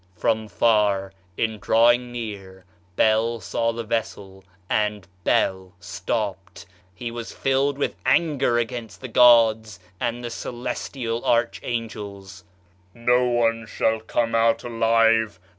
"'From far, in drawing near, Bel saw the vessel, and Bel stopped; he was filled with anger against the gods and the celestial archangels: "'"No one shall come out alive!